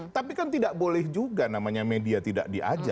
tapi kan tidak boleh juga namanya media tidak diajak